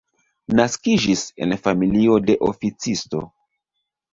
Naskiĝis en familio de oficisto.